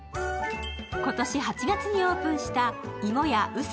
今年８月にオープンした芋屋碓氷